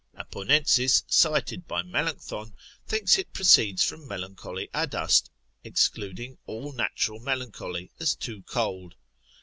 Aponensis, cited by Melancthon, thinks it proceeds from melancholy adust, excluding all natural melancholy as too cold.